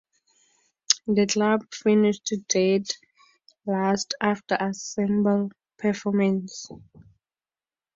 The club finished dead last after abysmal performances.